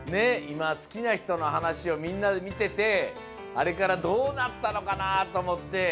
いま好きな人のはなしをみんなでみててあれからどうなったのかなとおもって。